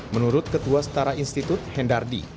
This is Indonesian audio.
menurut ketua setara institut hendardi